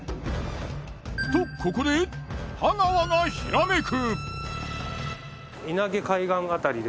とここで太川がひらめく。